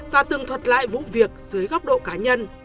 và tường thuật lại vụ việc dưới góc độ cá nhân